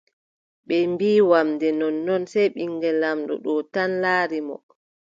Ɓe mbiʼi wamnde nonnnon, sey ɓiŋngel laamɗo ɗo tan laari mo.